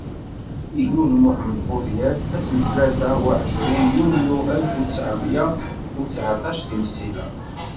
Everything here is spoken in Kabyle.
Ilul Muḥemmed budyaf ass n tlata u ɛecrin yunyu alef u ttɛemya u tteɛṭac di Msila.